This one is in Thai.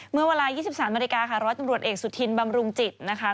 เมื่อเวลายี่สิบสามบริกาค่ะรอดจำรวจเอกสุธินบำรุงจิตนะคะ